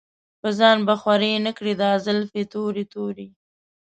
پۀ ځان به خوَرې نۀ کړې دا زلفې تورې تورې